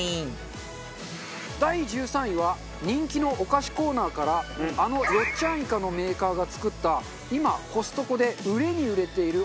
第１３位は人気のお菓子コーナーからあのよっちゃんイカのメーカーが作った今コストコで売れに売れているおつまみです。